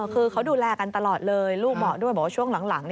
คือเขาดูแลกันตลอดเลยลูกบอกด้วยบอกว่าช่วงหลัง